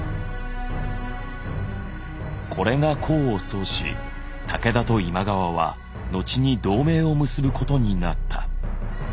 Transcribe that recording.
これが功を奏し武田と今川は後に同盟を結ぶことになった。